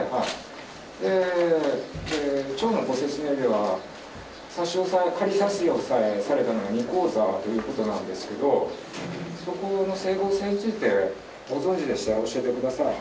町のご説明では、仮差し押さえされたのが、２口座ということなんですけど、そこの整合性についてご存じでしたら教えてください。